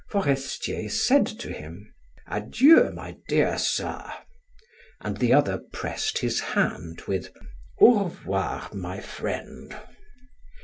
Forestier said to him: "Adieu, my dear sir," and the other pressed his hand with: "Au revoir, my friend."